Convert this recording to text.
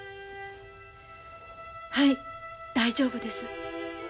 はい大丈夫です。